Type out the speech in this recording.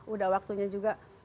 udah waktunya juga